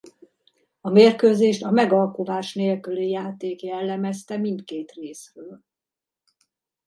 A mérkőzést a megalkuvás nélküli játék jellemezte mindkét részről.